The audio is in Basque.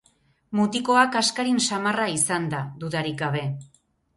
Mutikoa kaskarin samarra izan da, dudarik gabe...